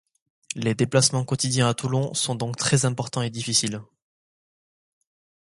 Les déplacements quotidiens à Toulon sont donc très importants et difficiles.